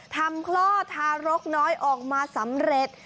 คลอดทารกน้อยออกมาสำเร็จ